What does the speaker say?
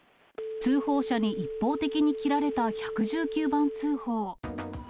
通報者に一方的に切られた１１９番通報。